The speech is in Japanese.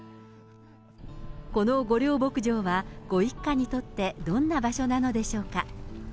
この御料牧場は、ご一家にとってどんな場所なのでしょうか。